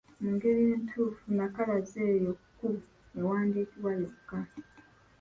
Mu ngeri entuufu, nnakalazi eyo ‘ku’ ewandiikibwa yokka.